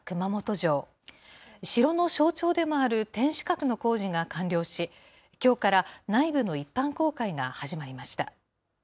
城の象徴でもある天守閣の工事が完了し、きょうから内部の一般公開が始まりました。